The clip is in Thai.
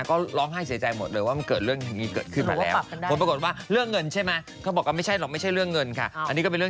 ที่มีสี่ห้าคนแล้วคนเดียวที่โดนฟาดไปก็คือ